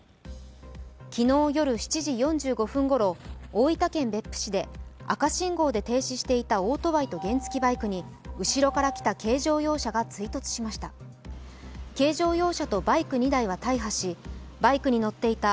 昨日よる７時４５分ごろ大分県別府市で赤信号で停止していたオートバイと原付きバイクに後ろから来た軽乗用車が追突しました。